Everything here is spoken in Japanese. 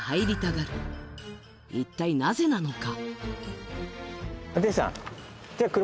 一体なぜなのか？